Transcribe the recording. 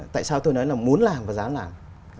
tại sao tôi nói là muốn làm và dám làm